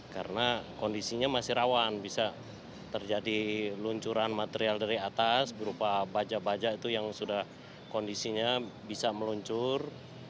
karena kondisinya masih rawan bisa terjadi luncuran material dari atas berupa baja baja itu yang sudah kondisinya bisa meluncur